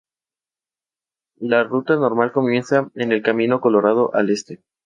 La ruta normal comienza en el Camino Colorado, al este.